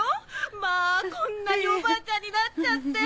まぁこんなにおばあちゃんになっちゃって！